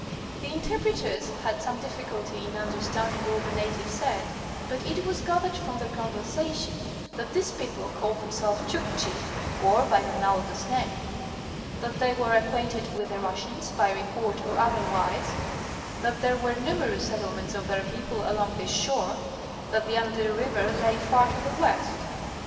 C.). The interpreters had some difficulty in understanding all the natives said, but it was gathered from their conversation that these people called themselves Chukchi (or by an analogous name) ; that they were acquainted with the Russians, by report or otherwise, that there were numerous settle ments of their people along this shore ; that the Anadyr River lay far to the west (L.)